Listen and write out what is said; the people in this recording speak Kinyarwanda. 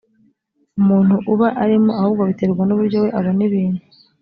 umuntu aba arimo ahubwo biterwa nuburyo we abona ibintu.